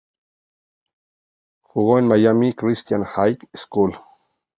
Jugó en Miami Christian High School.